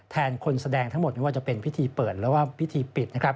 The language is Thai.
แทนคนแสดงทั้งหมดไม่ว่าจะเป็นพิธีเปิดหรือว่าพิธีปิด